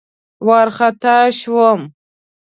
وارخطا شوم.